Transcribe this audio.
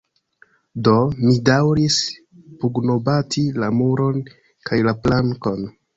Do, mi daŭris pugnobati la muron, kaj la plankon.